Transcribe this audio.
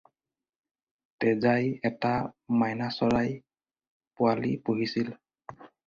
তেজাই এটা মইনা চৰাই পোৱালি পুহিছিল।